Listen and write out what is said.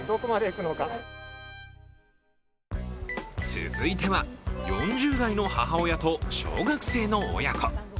続いては、４０代の母親と小学生の親子。